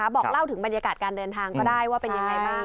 บอกเล่าถึงบรรยากาศการเดินทางก็ได้ว่าเป็นยังไงบ้าง